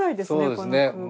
この空間。